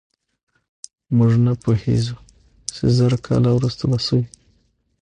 موږ نه پوهېږو چې زر کاله وروسته به څه وي.